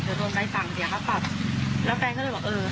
เดี๋ยวโดนใบสั่งเสียค่าปรับแล้วแฟนก็เลยบอกเออ